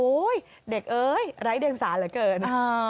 โอ้ยเด็กเอ๊ยไร้เด่งสารเหลือเกิน